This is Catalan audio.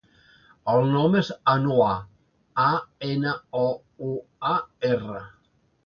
El nom és Anouar: a, ena, o, u, a, erra.